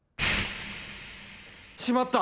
しまった！